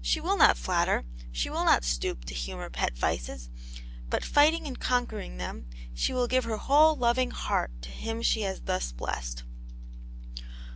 She will not flatter, she will not stoop to humour pet vices, but fighting and conquering them, she will give her whole loving heart to him she has thus blessed."